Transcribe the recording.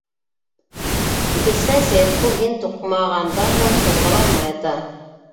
Икенсенән, Сәйетҡол һин туҡмағандан һуң ҡуҙғала алмай ята.